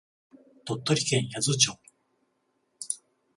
鳥取県八頭町